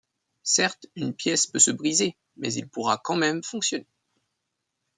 Certes une pièce peut se briser, mais il pourra quand même fonctionner.